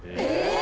え？